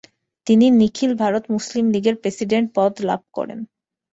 তিনি নিখিল ভারত মুসলিম লীগের প্রেসিডেন্ট পদ লাভ করেন।